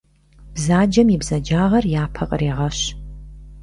Бзаджэм и бзаджагъэр япэ кърегъэщ.